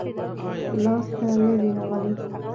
لاس ته نه دي راغلي-